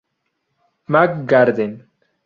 Mag Garden